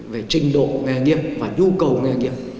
về trình độ nghề nghiệp và nhu cầu nghề nghiệp